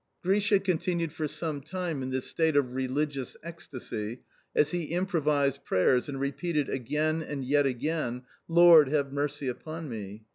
Grisha continued for some time in this state of religious ecstasy as he improvised prayers and repeated again and yet again, "Lord, have mercy upon me!"